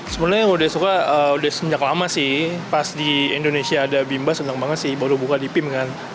sebenarnya yang udah suka udah semenjak lama sih pas di indonesia ada bimba senang banget sih baru buka di pim kan